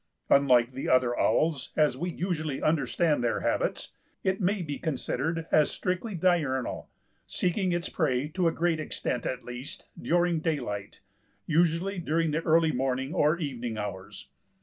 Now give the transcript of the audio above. Unlike the other owls, as we usually understand their habits, it may be considered as strictly diurnal, seeking its prey, to a great extent at least, during daylight, usually during the early morning or evening hours.